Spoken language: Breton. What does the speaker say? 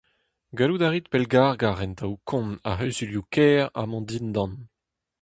Gallout a rit pellgargañ rentaoù-kont ar c'huzulioù-kêr amañ dindan.